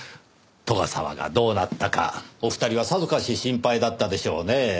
斗ヶ沢がどうなったかお二人はさぞかし心配だったでしょうねぇ。